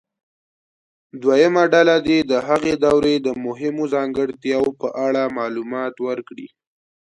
دویمه ډله دې د هغې دورې د مهمو ځانګړتیاوو په اړه معلومات ورکړي.